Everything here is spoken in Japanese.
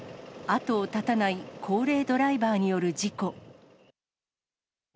後を絶たない高齢ドライバーによる事故。